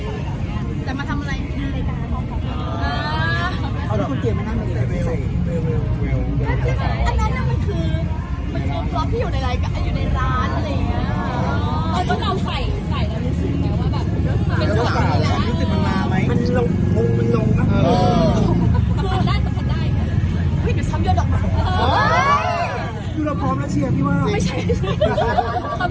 ล้อเล่นล้อเล่นล้อเล่นล้อเล่นล้อเล่นล้อเล่นล้อเล่นล้อเล่นล้อเล่นล้อเล่นล้อเล่นล้อเล่นล้อเล่นล้อเล่นล้อเล่นล้อเล่นล้อเล่นล้อเล่นล้อเล่นล้อเล่นล้อเล่นล้อเล่นล้อเล่นล้อเล่นล้อเล่นล้อเล่นล้อเล่นล้อเล่น